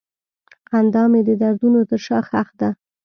خندا مې د دردونو تر شا ښخ ده.